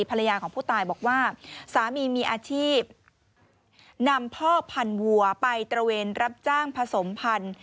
ภรรยาของผู้ตายบอกว่าสามีมีอาชีพนำพ่อพันวัวไปตระเวนรับจ้างผสมพันธุ์